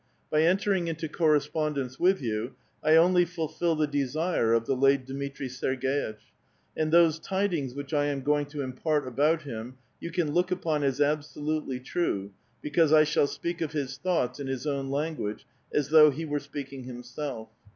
By entering into correspondence with you, I only fulfil the desire of the late Dmitri Serg^itch, and those tidings which I am going to impart about him you can look upon as absolutely true, because I shall speak of his thoughts in his own language as though he were speaking himself.